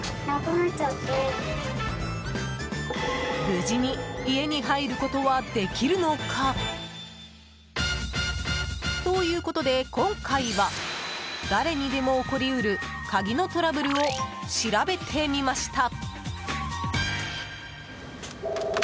無事に家に入ることはできるのか。ということで今回は、誰にでも起こり得る鍵のトラブルを調べてみました。